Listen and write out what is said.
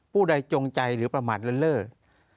ผู้ใดจงใจหรือประมาทเลิศ